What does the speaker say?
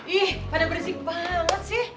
ih pada berisik banget sih